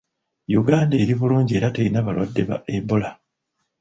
Uganda eri bulungi era terina balwadde ba Ebola